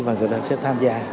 và người ta sẽ tham gia